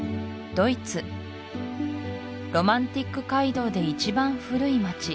ドイツロマンティック街道で一番古い街